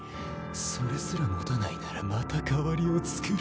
それすら持たないならまた代わりを作る。